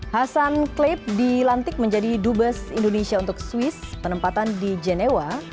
hasan klip dilantik menjadi dubes indonesia untuk swiss penempatan di genewa